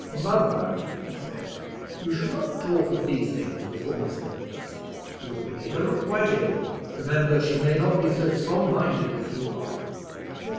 "Mother," he said, "you should not talk of these things before Miss Wentworth; you have made her look quite ill. Remember, she may not be so strong minded as you are."